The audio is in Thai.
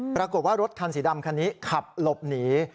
ปรากฏว่ารถคันสีดำคันนี้ขับหลบหนี